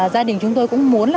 gia đình chúng tôi cũng muốn